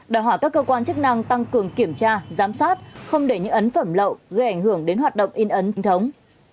đòi hỏa các cơ quan chức năng tăng cường kiểm tra giám sát không để những ấn phẩm lậu gây ảnh hưởng đến hoạt động in ấn chính thống